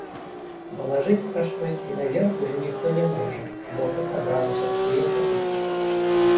Далажыць пра штосьці наверх ужо ніхто не можа, бо гэта адразу сапсуе статыстыку!